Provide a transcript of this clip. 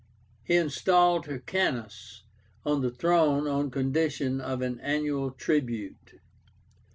He installed Hyrcánus on the throne on condition of an annual tribute.